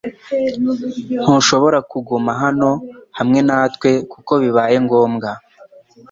Ntushobora kuguma hano hamwe natwe kuko bibaye ngombwa